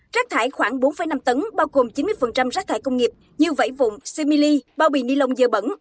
rác thải khoảng bốn năm tấn bao gồm chín mươi rác thải công nghiệp như vẫy vụng simili bao bì ni lông dơ bẩn